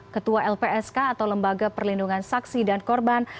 ketua lpsk atau lembaga perlindungan saksi dan korban